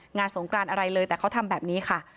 สงกรานอะไรเลยแต่เขาทำแบบนี้ค่ะ